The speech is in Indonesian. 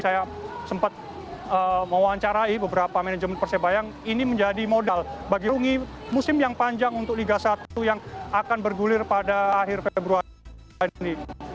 saya sempat mewawancarai beberapa manajemen persebaya ini menjadi modal bagi ungi musim yang panjang untuk liga satu yang akan bergulir pada akhir februari